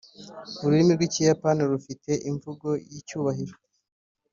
ururimi rwikiyapani rufite imvugo yicyubahiro.